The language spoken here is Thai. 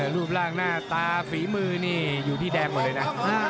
รูปร่างหน้าตาฝีมือนี่อยู่ที่แดงหมดเลยนะ